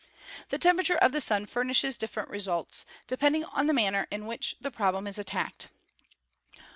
The temperature of the Sun furnishes different results, de pending on the manner in which the problem is attacked.